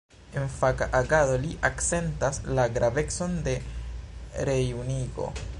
En faka agado li akcentas la gravecon de rejunigo.